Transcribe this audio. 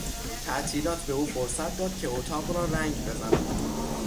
تعطیلات به او فرصت داد که اتاق را رنگ بزند.